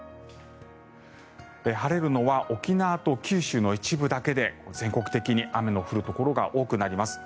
晴れるのは沖縄と九州の一部だけで全国的に雨の降るところが多くなります。